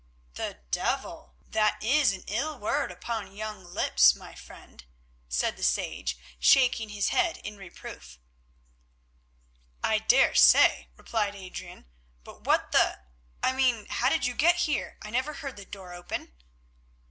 "The devil! That is an ill word upon young lips, my friend," said the sage, shaking his head in reproof. "I daresay," replied Adrian, "but what the—I mean how did you get here? I never heard the door open."